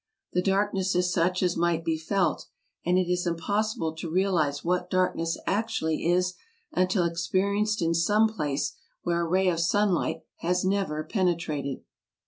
The darkness is such as might be felt; and it is impossible to realize what darkness actually is until experi enced in some place where a ray of sunlight has never pen etrated